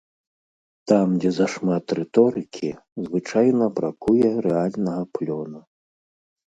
Там, дзе зашмат рыторыкі, звычайна бракуе рэальнага плёну.